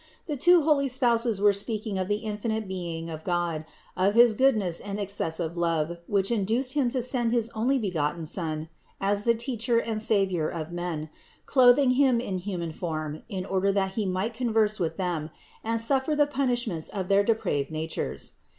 The two holy Spouses were speaking of the infinite being of God, of his goodness and ex cessive love, which induced Him to send his Onlybegotten Son as the Teacher and Savior of men, clothing Him in human form in order that He might converse with them and suffer the punishments of their depraved natures.